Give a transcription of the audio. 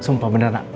sumpah bener nak